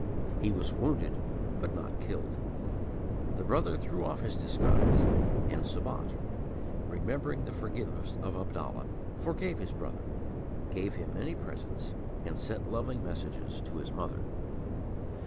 He was wounded, but not killed. The brother threw off his disguise, and Sabat remembering the forgiveness of Abdallah forgave his brother, gave him many presents, and sent loving messages to his mother.